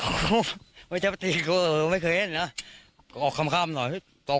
โอ้โฮขำเข้ามไม่เคยเห็น